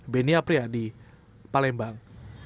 benia priyadi palembang